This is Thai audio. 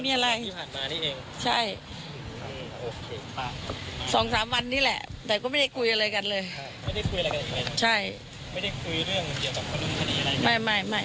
แต่เขาก็เพิ่งโทรมาหาให้เอาให้ปากคำเป็นเพื่อนไว้